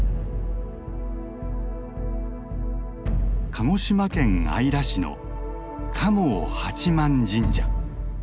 鹿児島県姶良市の蒲生八幡神社。